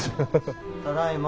ただいま。